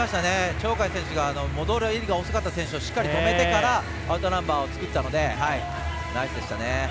鳥海選手が戻りが遅い選手をしっかり止めてからアウトナンバーを作ったのでナイスでした。